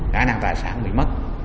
khả năng tài sản bị mất